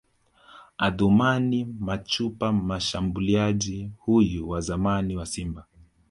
Athumani Machupa Mshambuliaji huyu wa zamani wa Simba